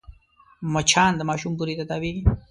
مچان د ماشوم بوري ته تاوېږي